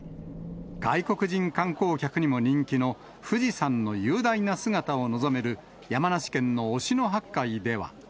外国人観光客にも人気の富士山の雄大な姿を望める山梨県の忍野八海では。